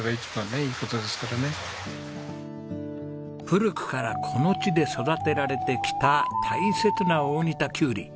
古くからこの地で育てられてきた大切な大荷田きゅうり。